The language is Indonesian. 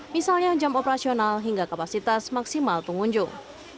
misalnya jam operasional hingga kapasitas maksimal pengunjung